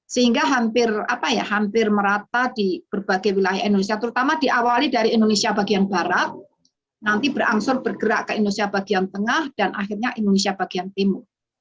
sehingga hampir merata di berbagai wilayah indonesia terutama diawali dari indonesia bagian barat nanti berangsur bergerak ke indonesia bagian tengah dan akhirnya indonesia bagian timur